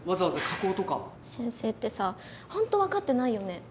あ先生ってさ本当分かってないよね。